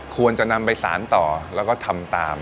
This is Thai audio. ควรจะนำไปสารต่อแล้วก็ทำตาม